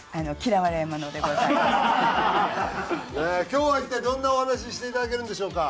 今日は一体どんなお話していただけるんでしょうか？